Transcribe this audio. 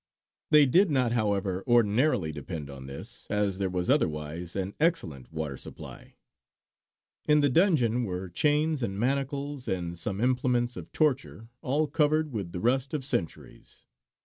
They did not, however, ordinarily depend on this, as there was otherwise an excellent water supply. In the dungeon were chains and manacles and some implements of torture, all covered with the rust of centuries.